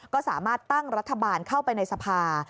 ก็สามารถตั้งรัฐบาลเข้าไปในสภา